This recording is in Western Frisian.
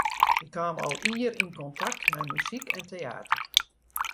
Hy kaam al ier yn kontakt mei muzyk en teäter.